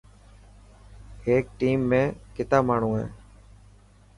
هيڪ ٽيم ۾ ڪتا ماڻهو هي.